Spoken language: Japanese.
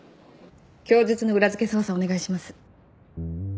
供述の裏付け捜査をお願いします。